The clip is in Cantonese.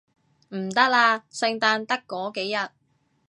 唔得啦，聖誕得嗰幾日